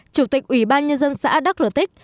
chủ tịch ủy ban nhân dân xã đắc rutin